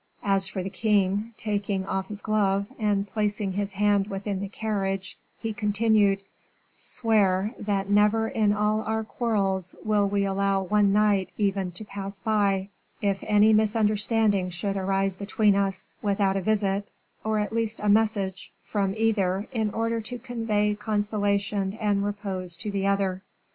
As for the king, taking off his glove, and placing his hand within the carriage, he continued: "Swear, that never in all our quarrels will we allow one night even to pass by, if any misunderstanding should arise between us, without a visit, or at least a message, from either, in order to convey consolation and repose to the other."